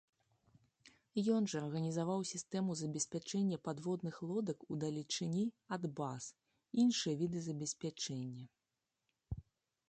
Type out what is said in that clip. Ён жа арганізаваў сістэму забеспячэння падводных лодак удалечыні ад баз, і іншыя віды забеспячэння.